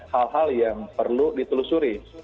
hal hal yang perlu ditelusuri